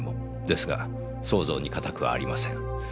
ですが想像に難くはありません。